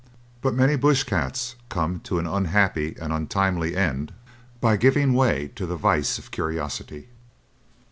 But many bush cats come to an unhappy and untimely end by giving way to the vice of curiosity.